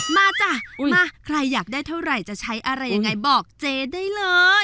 จ้ะมาใครอยากได้เท่าไหร่จะใช้อะไรยังไงบอกเจ๊ได้เลย